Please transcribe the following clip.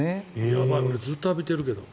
やばい俺、ずっと浴びてるけど。